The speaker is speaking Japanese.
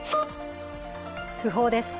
訃報です。